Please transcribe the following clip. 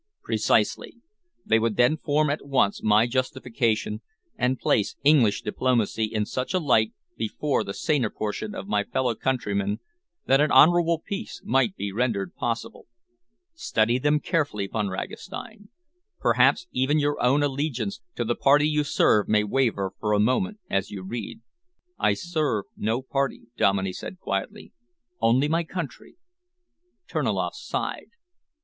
"Precisely! They would then form at once my justification, and place English diplomacy in such a light before the saner portion of my fellow countrymen that an honourable peace might be rendered possible. Study them carefully, Von Ragastein. Perhaps even your own allegiance to the Party you serve may waver for a moment as you read." "I serve no Party," Dominey said quietly, "only my Country." Terniloff sighed.